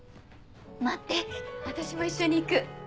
待って私も一緒に行く。